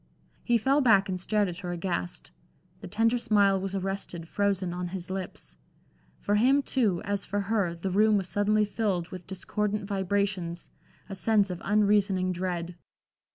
He fell back and stared at her aghast. The tender smile was arrested, frozen on his lips. For him, too, as for her, the room was suddenly filled with discordant vibrations, a sense of unreasoning dread.